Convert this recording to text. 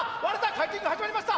回転が始まりました！